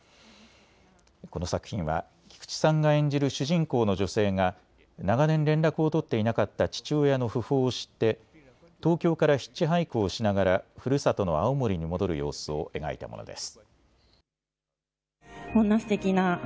この作品は菊地さんが演じる主人公の女性が長年連絡を取っていなかった父親の訃報を知って東京からヒッチハイクをしながらふるさとの青森に戻る様子を描いたものです。